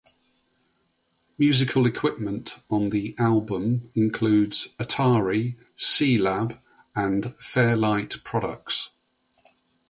Musical equipment on the album includes Atari, C-Lab and Fairlight products.